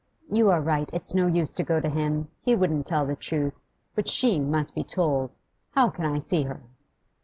You are right; it's no use to go to him: he wouldn't tell the truth. But she must be told. How can I see her?